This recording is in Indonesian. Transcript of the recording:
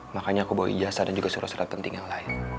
makanya aku bawa ijazah dan juga surat surat penting yang lain